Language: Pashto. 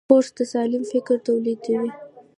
کورس د سالم فکر تولیدوي.